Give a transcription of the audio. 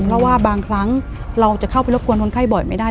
เพราะว่าบางครั้งเราจะเข้าไปรบกวนคนไข้บ่อยไม่ได้